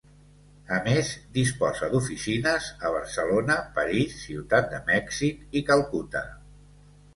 A més disposa d'oficines a Barcelona, París, Ciutat de Mèxic i Calcuta.